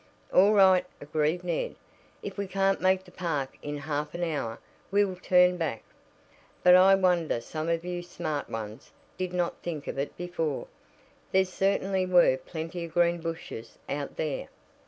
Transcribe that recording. "All right," agreed Ned. "If we can't make the park in half an hour we'll turn back. But I wonder some of you smart ones did not think of it before. There certainly were plenty of green bushes out there."